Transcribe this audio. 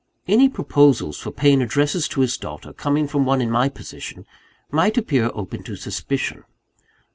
Any proposals for paying addresses to his daughter, coming from one in my position, might appear open to suspicion.